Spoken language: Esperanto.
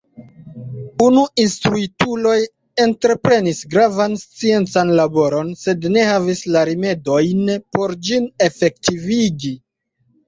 Unu instruitulo entreprenis gravan sciencan laboron, sed ne havis la rimedojn por ĝin efektivigi.